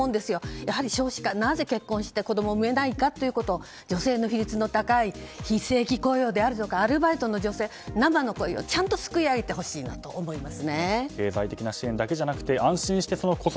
やはり少子化、なぜ結婚して子供が産めないかということ女性の比率の高い非正規雇用であるとかアルバイトの女性生の声をちゃんとすくい上げてほしいなと思います。